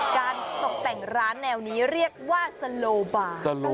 การตกแต่งร้านแนวนี้เรียกว่าสโลบา